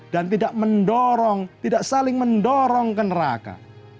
dan tidak mendorong tidak saling mendorong ke neraka